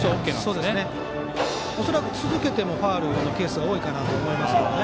おそらく続けてもファウルのケースが多いかなと思います。